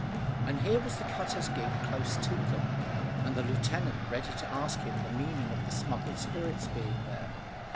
And here was the cutter's gig close to them, and the lieutenant ready to ask him the meaning of the smuggled spirits being there.